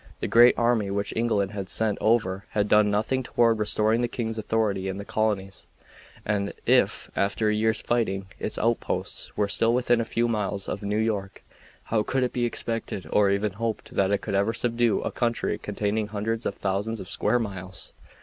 The great army which England had sent over had done nothing toward restoring the king's authority in the colonies, and if, after a year's fighting, its outposts were still within a few miles of New York, how could it be expected or even hoped that it could ever subdue a country containing hundreds of thousands of square miles?